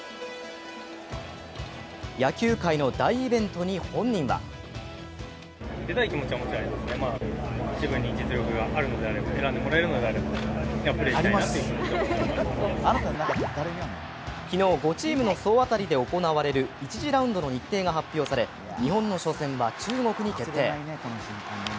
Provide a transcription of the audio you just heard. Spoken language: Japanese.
野球界の大イベントに本人は昨日５チームの総当たりで行われる１次ラウンドの日程が発表され日本の初戦は中国に決定。